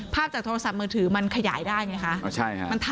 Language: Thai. จากโทรศัพท์มือถือมันขยายได้ไงคะ